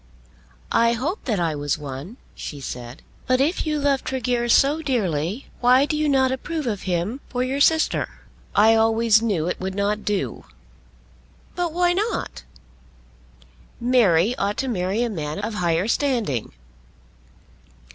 "I hoped that I was one," she said. "But if you love Tregear so dearly, why do you not approve of him for your sister?" "I always knew it would not do." "But why not?" "Mary ought to marry a man of higher standing."